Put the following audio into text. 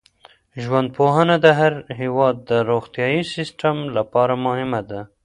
ژوندپوهنه د هر هېواد د روغتیايي سیسټم لپاره مهمه ده.